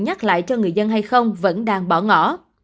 nhắc lại cho người dân hay không vẫn đang bỏ ngỏ